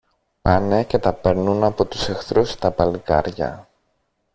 πάνε και τα παίρνουν από τους εχθρούς τα παλικάρια